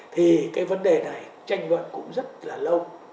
thì cái vấn đề này tranh luận cũng rất là lâu